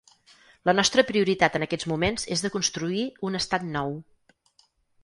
La nostra prioritat en aquests moments és de construir un estat nou.